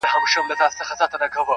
• چوپتيا تر ټولو درنه ښکاري ډېر,